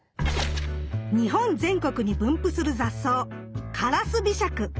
日本全国に分布する雑草カラスビシャク。